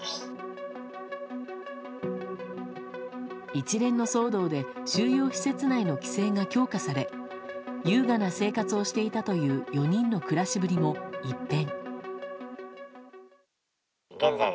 一連の騒動で収容施設内の規制が強化され優雅な生活をしていたという４人の暮らしぶりも一変。